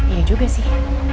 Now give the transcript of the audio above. iya juga sih